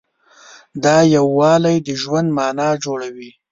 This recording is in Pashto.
دا یووالی د ژوند معنی جوړوي.